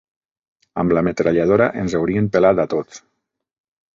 Amb la metralladora ens haurien pelat a tots.